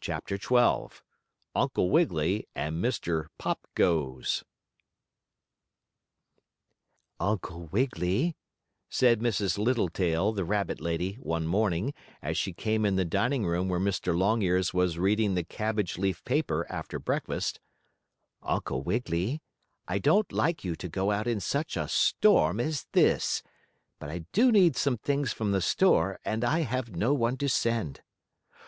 CHAPTER XII UNCLE WIGGILY AND MR. POP GOES "Uncle Wiggily," said Mrs. Littletail, the rabbit lady, one morning, as she came in the dining room where Mr. Longears was reading the cabbage leaf paper after breakfast, "Uncle Wiggily, I don't like you to go out in such a storm as this, but I do need some things from the store, and I have no one to send."